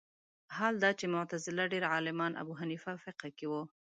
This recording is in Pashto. حال دا چې معتزله ډېر عالمان ابو حنیفه فقه کې وو